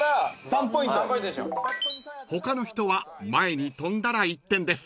［他の人は前に飛んだら１点です］